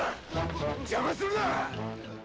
邪魔するな！